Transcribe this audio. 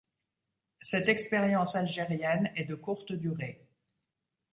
Cette expérience algérienne est de courte durée.